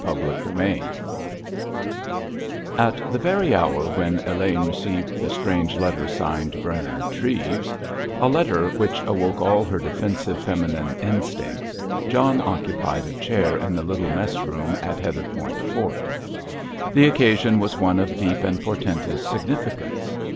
CHAPTER XXXI At the very hour when Elaine received the strange letter signed "Bernard Treves," a letter which awoke all her defensive feminine instincts, John occupied a chair in the little mess room at Heatherpoint Fort. The occasion was one of deep and portentous significance.